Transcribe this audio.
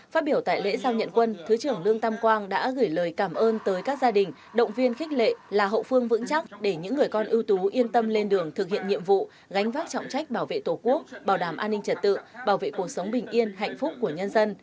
phát biểu tại lễ giao nhận quân thứ trưởng lương tam quang đã gửi lời cảm ơn tới các gia đình động viên khích lệ là hậu phương vững chắc để những người con ưu tú yên tâm lên đường thực hiện nhiệm vụ gánh vác trọng trách bảo vệ tổ quốc bảo đảm an ninh trật tự bảo vệ cuộc sống bình yên hạnh phúc của nhân dân